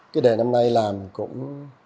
cái đề năm nay làm cũng